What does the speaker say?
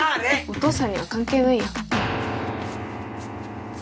お父さんには関係ないよ